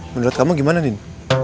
menurut kamu gimana din